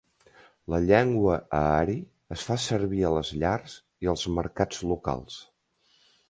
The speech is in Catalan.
La llengua aari es fa servir a les llars i als mercats locals.